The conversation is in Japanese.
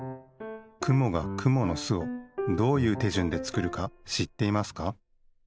くもがくものすをどういうてじゅんでつくるかしっていますか？